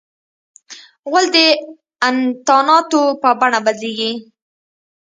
غول د انتاناتو په بڼه بدلیږي.